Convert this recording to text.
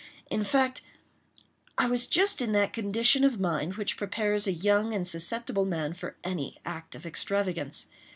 In fact, I was just in that condition of mind which prepares a young and susceptible man for any act of extravagance.